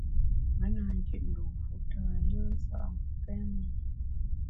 Me na nkit dû fu tâ yùe nsa’ngu pém me.